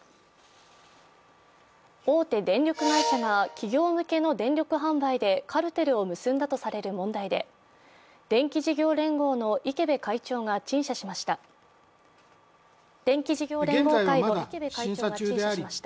大手電力会社が企業向けの電力販売でカルテルを結んだとされる問題で、電気事業連合会の池辺会長が陳謝しました。